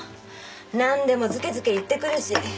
なんでもずけずけ言ってくるし。